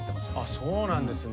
そうなんですね。